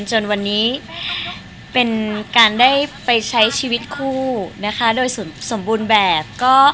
จนวันนี้เป็นการได้ไปใช้ชีวิตคู่นะคะโดยสมบูรณ์แบบ